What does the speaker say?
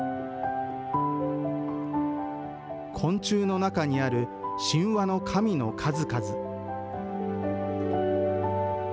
昆虫の中にある神話の神の数々。